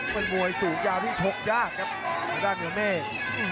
เป็นมวยสูงยาวที่ชกยากครับทางด้านเหนือเมฆ